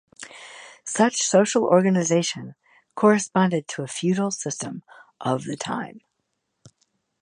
Such social organization corresponded to a feudal system of the time.